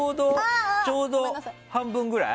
ちょうど半分ぐらい？